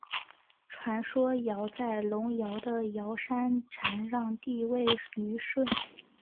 传说尧在隆尧的尧山禅让帝位予舜。